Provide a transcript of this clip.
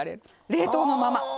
冷凍のまま。